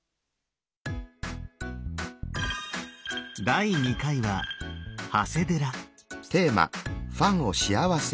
第２回は長谷寺。